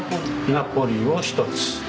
ナポリを１つ。